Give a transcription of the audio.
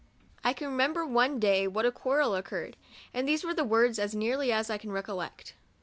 I can remember one day what a quarrel occur red, and these were the words, as nearly as I can recollect.